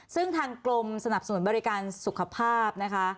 ซึ่งทางกรมสนับสนุนบริการสุขภาพนะคะ